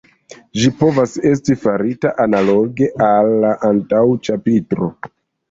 Ĝi povas esti farita analoge al la antaŭ ĉapitro.